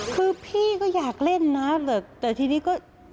คือพี่ก็อยากเล่นนะแต่ทีนี้ก็